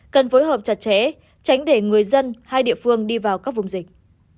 cần phối hợp chặt chẽ tránh để người dân hai địa phương đi vào các vùng dịch